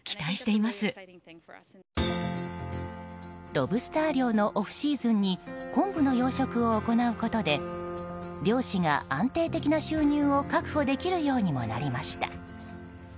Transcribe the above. ロブスター漁のオフシーズンに昆布の養殖を行うことで漁師が安定的な収入を確保できるようにもなりました。